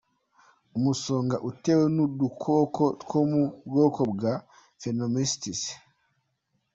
Umusoga utewe n’udukoko two mu bwoko bwa Pneumocystis,.